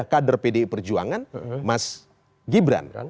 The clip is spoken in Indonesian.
kader pdi perjuangan mas gibran